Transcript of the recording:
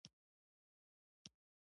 موږ نوي شاګردان لیدلي.